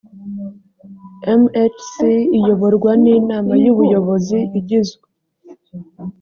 mhc iyoborwa n inama y ubuyobozi igizwe